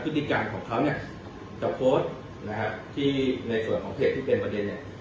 พฤติการของเขาเนี่ยจะโพสต์นะครับที่ในส่วนของเพจที่เป็นประเด็นเนี่ย